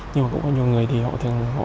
nhưng mà cũng có nhiều người thì họ thường